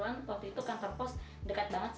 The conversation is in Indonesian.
tapi itu tiga atau empat tahun lalu waktu aku kuliah